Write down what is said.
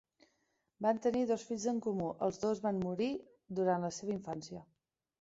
Van tenir dos fills en comú, els dos van morir durant la seva infància.